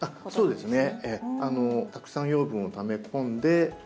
そうですね。